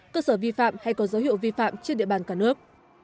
cơ sở vi phạm hay có dấu hiệu vi phạm trên địa bàn cả nước